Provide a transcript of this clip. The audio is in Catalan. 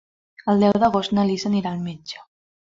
El deu d'agost na Lis anirà al metge.